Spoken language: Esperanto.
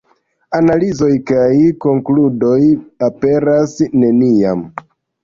Analizoj kaj konkludoj aperas neniam.